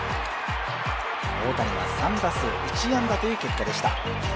大谷は３打数１安打という結果でした。